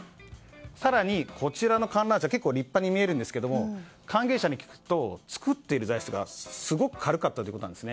更に、こちらの観覧車かなり立派に見えるんですが関係者に聞くと作っている材質がすごく軽かったと。